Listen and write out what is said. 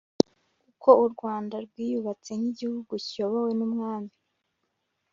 uko u Rwanda rwiyubatse nk igihugu kiyobowe n umwami